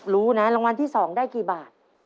รู้นะรางวัลที่๒ได้กี่บาท